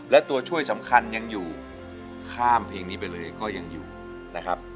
และตัวช่วยสำคัญยังอยู่ข้ามเพลงนี้ไปเลยก็ยังอยู่นะครับ